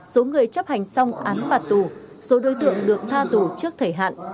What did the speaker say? số người chấp hành xong án phạt tù số đối tượng được tha tù trước thời hạn